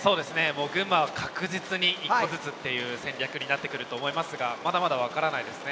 もう群馬は確実に１個ずつっていう戦略になってくると思いますがまだまだ分からないですね